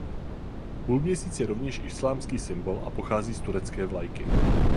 Půlměsíc je rovněž islámský symbol a pochází z turecké vlajky.